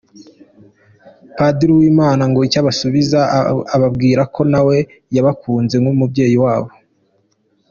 Padiri Uwimana ngo icyo abasubiza, ababwira ko nawe yabakunze nk’umubyeyi wabo.